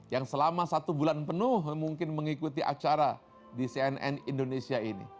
yang selama satu bulan penuh mungkin mengikuti acara di cnn indonesia ini